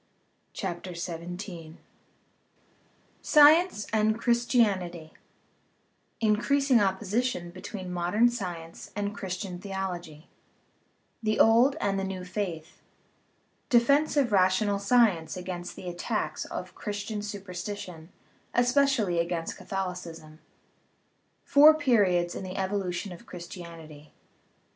CHAPTER XVII SCIENCE AND CHRISTIANITY Increasing Opposition between Modern Science and Christian Theology The Old and the New Faith Defence of Rational Science against the Attacks of Christian Superstition, espe cially against Catholicism Four Periods in the Evolution of Christianity : I.